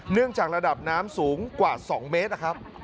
เนื่องจากระดับน้ำสูงกว่า๒เมตรนะครับ